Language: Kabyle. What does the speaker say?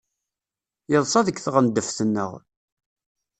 Yeḍsa deg tɣendeft-nneɣ.